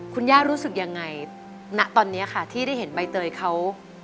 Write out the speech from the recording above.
คุณย่ารู้สึกยังไงณตอนนี้ค่ะที่ได้เห็นใบเตยเขา